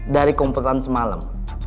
dari kompetan semalam